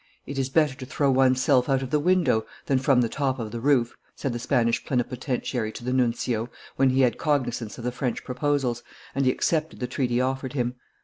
"It is better to throw one's self out of the window than from the top of the roof," said the Spanish plenipotentiary to the nuncio, when he had cognizance of the French proposals, and he accepted the treaty offered him.